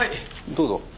どうぞ。